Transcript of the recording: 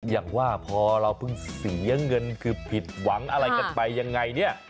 อย่างว่าพอเราเพิ่งเสียเงินคือผิดหวังอะไรกันไปยังไงเนี่ย